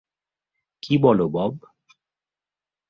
কী বলো, বব?